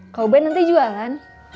kalau ben nanti jualan